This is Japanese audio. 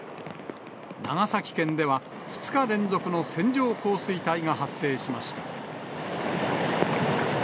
長崎県では２日連続の線状降水帯が発生しました。